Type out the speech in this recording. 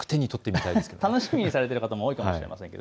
楽しみにされている方も多いかもしれません。